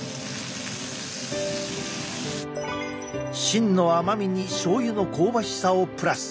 芯の甘みにしょうゆの香ばしさをプラス。